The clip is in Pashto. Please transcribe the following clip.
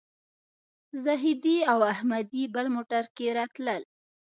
زاهدي او احمدي بل موټر کې راتلل.